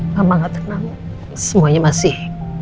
mama gak terkenal semuanya masih